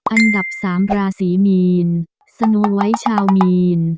อันดับ๓ราศีมีนสนัวไว้ชาวมีน